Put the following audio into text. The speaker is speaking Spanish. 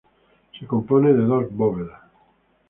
Se compone de dos bóvedas.